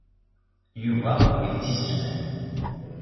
Yuba ur ittett iselman.